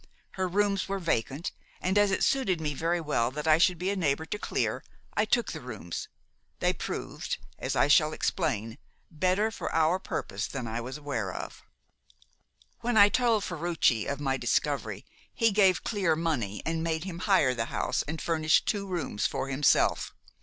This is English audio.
Her rooms were vacant, and as it suited me very well that I should be a neighbour to Clear, I took the rooms. They proved as I shall explain better for our purpose than I was aware of. "When I told Ferruci of my discovery, he gave Clear money and made him hire the house and furnish two rooms for himself.